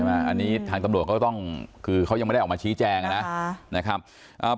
อันนี้ทางตำรวจก็ต้องคือเขายังไม่ได้ออกมาชี้แจงนะครับ